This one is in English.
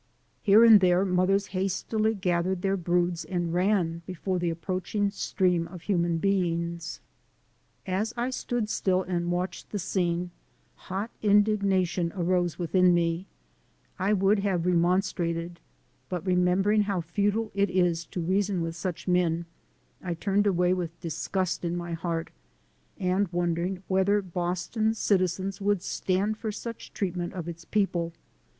Here and there mothers hastily gathered their broods and ran before the approaching stream of human beings. As I stood still and watched the scene, hot in 262 THE SOUL OF AN IMMIGRANT dignation arose within me. I would have remon strated, but remembering how futile it is to reason with such men, I turned away with disgust in my heart, and wondering whether Boston's citizens would stand for such treatment of its people.